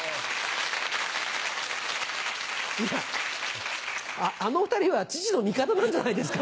いや、あの２人はちちの味方なんじゃないですか？